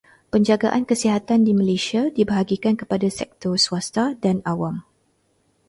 Penjagaan kesihatan di Malaysia dibahagikan kepada sektor swasta dan awam.